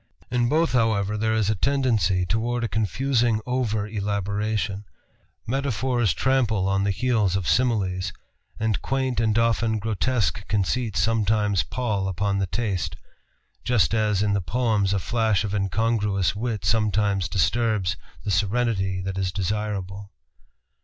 In both, however, there is a tendency toward a confusing over elaboration Metaphors trample on the heels of Similes, and quaint and often grotesque conceits sometimes pall upon the taste, just as in the poems a flash of incongruous wit sometimes disturbs the serenity that is desirable.